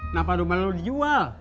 nah pada malam lo dijual